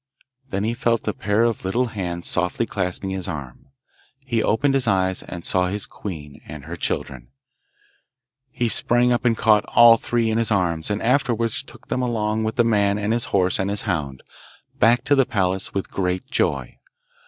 Then he felt a pair of little hands softly clasping his arm; he opened his eyes, and saw his queen and her children. He sprang up and caught all three in his arms, and afterwards took them, along with the man and his horse and his hound, back to the palace with great joy.